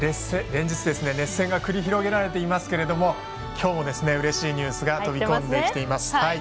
連日、熱戦が繰り広げられていますけれどもきょうもうれしいニュースが飛び込んできています。